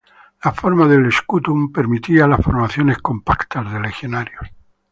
La forma del "scutum" permitía las formaciones compactas de legionarios.